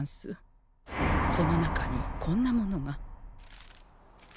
その中にこんなものが。